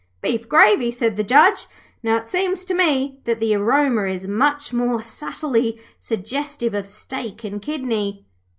'Beef gravy?' said the Judge. 'Now, it seems to me that the aroma is much more subtly suggestive of steak and kidney.'